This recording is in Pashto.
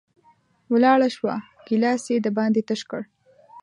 ولاړه شوه، ګېلاس یې د باندې تش کړ